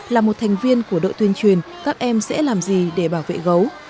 là một thành viên của đội tuyên truyền các em sẽ làm gì để bảo vệ gấu